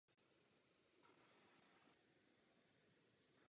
Pro královskou sbírku namaloval mnoho děl s motivy z Nizozemska a Belgie.